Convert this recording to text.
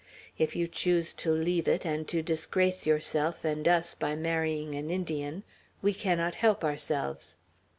If you choose to leave it, and to disgrace yourself and us by marrying an Indian, we cannot help ourselves."